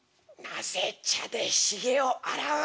なぜ茶でひげを洗う。